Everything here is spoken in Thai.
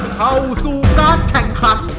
เข้าสู่การแข่งขัน